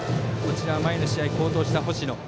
前の試合、好投した星野。